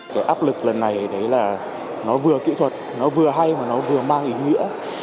cái áp lực lần này đấy là nó vừa kỹ thuật nó vừa hay mà nó vừa mang ý nghĩa